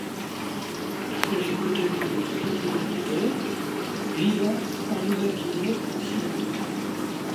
Il s'agit peut être du plus petit vertébré vivant en Nouvelle-Guinée occidentale.